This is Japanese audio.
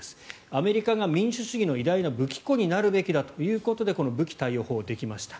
アメリカが民主主義の偉大な武器庫になるべきだということでこの武器貸与法ができました。